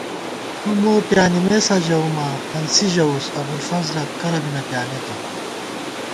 تُو مو پیانِمېسا ژَؤماں ہنسی ژَوُس ابُوالفضَلہ کرہ بی نہ پیانېتہ